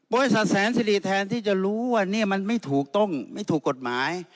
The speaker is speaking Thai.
แสนสิริแทนที่จะรู้ว่านี่มันไม่ถูกต้องไม่ถูกกฎหมาย